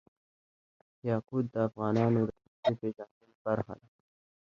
یاقوت د افغانانو د فرهنګي پیژندنې برخه ده.